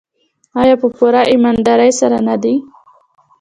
آیا په پوره ایمانداري سره نه دی؟